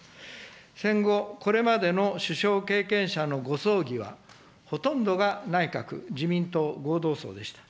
戦後、これまでの首相経験者のご葬儀はほとんどが内閣・自民党合同葬でした。